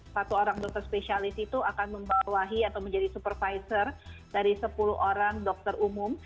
satu orang dokter spesialis itu akan membawahi atau menjadi supervisor dari sepuluh orang dokter umum